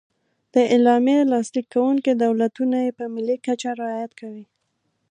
د اعلامیې لاسلیک کوونکي دولتونه یې په ملي کچه رعایت کوي.